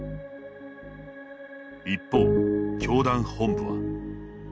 一方、教団本部は。